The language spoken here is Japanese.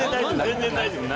全然大丈夫。